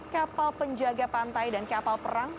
kapal penjaga pantai dan kapal perang